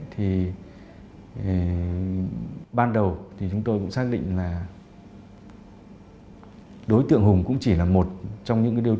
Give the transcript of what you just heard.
thì vô cùng nhiều vô cùng nhiều lợi nhuận